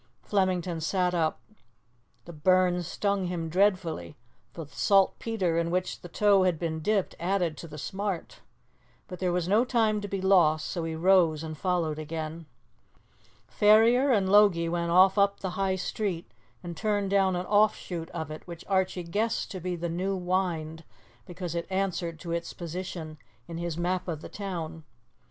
Flemington sat up. The burn stung him dreadfully, for the saltpetre in which the tow had been dipped added to the smart. But there was no time to be lost, so he rose and followed again. Ferrier and Logie went off up the High Street, and turned down an offshoot of it which Archie guessed to be the New Wynd, because it answered to its position in his map of the town.